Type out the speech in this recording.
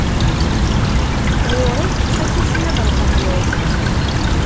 Ɣur-k ad tismiḍ lqahwa-k!